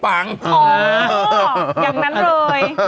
อย่างนั้นเลย